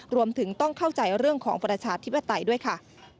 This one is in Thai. รวมถึงต้องเข้าใจเรื่องของประชาธิปไตยด้วยค่ะ